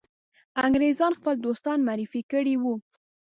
انګرېزان خپل دوستان معرفي کړي وه.